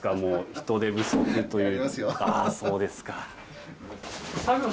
人手不足というか。